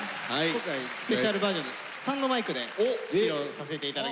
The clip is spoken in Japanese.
今回スペシャルバージョンでスタンドマイクで披露させていただきます。